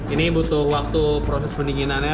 ini butuh waktu proses pendinginannya